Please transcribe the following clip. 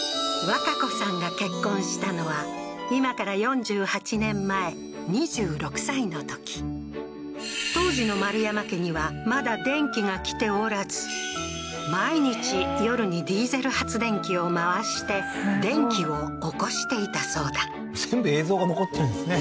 和日子さんが結婚したのは今から４８年前２６歳の時当時の丸山家にはまだ電気が来ておらず毎日夜にディーゼル発電機を回して電気を起こしていたそうだ全部映像が残ってるんですね